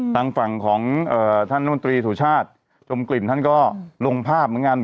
ทางฝั่งของท่านมนตรีสุชาติจมกลิ่นท่านก็ลงภาพเหมือนกัน